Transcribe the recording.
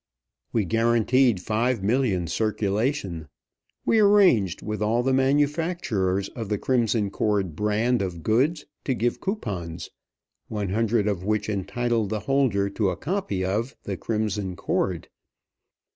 We guaranteed five million circulation. We arranged with all the manufacturers of the Crimson Cord brands of goods to give coupons, one hundred of which entitled the holder to a copy of "The Crimson Cord."